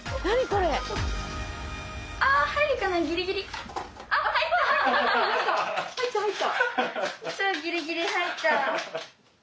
超ギリギリ入った。